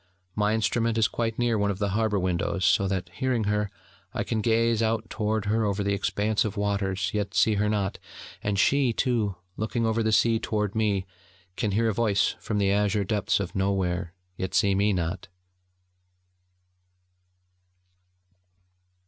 My instrument is quite near one of the harbour windows, so that, hearing her, I can gaze out toward her over the expanse of waters, yet see her not; and she, too, looking over the sea toward me, can hear a voice from the azure depths of nowhere, yet see me not.